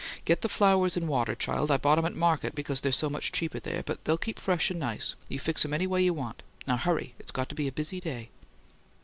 Get the flowers in water, child. I bought 'em at market because they're so much cheaper there, but they'll keep fresh and nice. You fix 'em any way you want. Hurry! It's got to be a busy day."